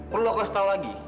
perlu kau setahu lagi